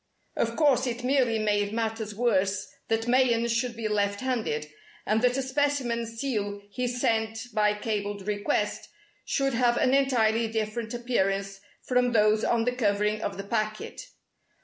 Of course it merely made matters worse that Mayen should be left handed, and that a specimen seal he sent by cabled request should have an entirely different appearance from those on the covering of the packet.